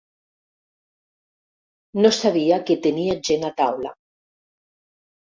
No sabia que tenia gent a taula.